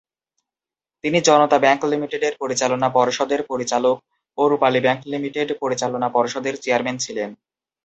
তিনি জনতা ব্যাংক লিমিটেডের পরিচালনা পর্ষদের পরিচালক ও রূপালী ব্যাংক লিমিটেড পরিচালনা পর্ষদের চেয়ারম্যান ছিলেন।